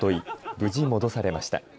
無事戻されました。